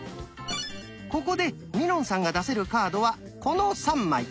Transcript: ここでみのんさんが出せるカードはこの３枚。